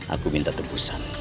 aku minta tebusan